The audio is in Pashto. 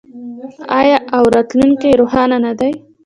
آیا او راتلونکی یې روښانه نه دی؟